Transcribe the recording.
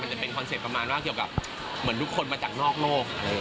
จะเป็นคอนเซ็ตประมาณว่าเกี่ยวกับเหมือนทุกคนมาจากนอกโลก